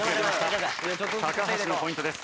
橋のポイントです。